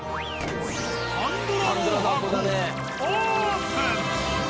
パンドラの箱オープン！